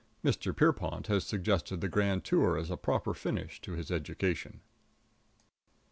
|| Pierrepont has suggested || the grand tour as a || proper finish to his || education.